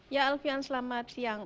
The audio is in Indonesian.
ya alfian selamat siang